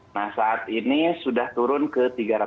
nah saat ini sudah turun ke tiga ratus tujuh puluh empat